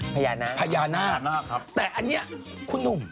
พญานาคมครับพญานาคมครับแต่อันนี้คุณหนุ่ม